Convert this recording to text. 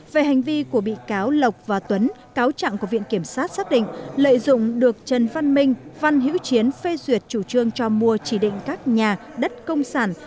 về hành vi của bị cáo lộc và tuấn cáo trạng của viện kiểm sát xác định lợi dụng được trần văn minh văn hiễu chiến phê duyệt chủ trương cho mua chỉ định các nhà đất công sản